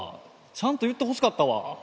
ちゃんと言ってほしかったわ。